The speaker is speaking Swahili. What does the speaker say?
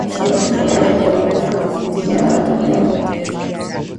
shimo hili lenye urefu wa futi miatatu lilipoteza